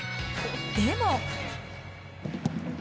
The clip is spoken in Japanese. でも。